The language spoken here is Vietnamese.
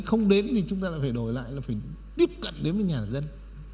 không đến thì chúng ta phải đổi lại là phải tiếp cận đến với nhà dân